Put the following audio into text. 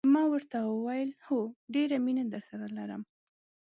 ما ورته وویل: هو، ډېره مینه درسره لرم.